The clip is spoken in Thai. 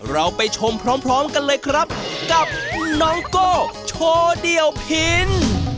เราไปชมพร้อมกันเลยครับกับน้องโก้โชว์เดี่ยวพิน